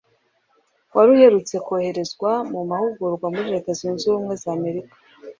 wari uherutse koherezwa mu mahugurwa muri leta zunze ubumwa z'amerika.